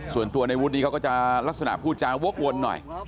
ส่วนตัวในวุฒินี้เขาก็จะลักษณะพูดจาวกวนหน่อย